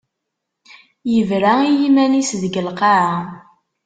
Yebra i yiman-is deg lqaɛa.